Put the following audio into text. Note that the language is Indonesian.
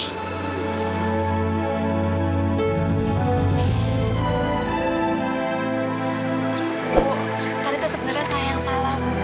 bu tadi itu sebenarnya saya yang salah bu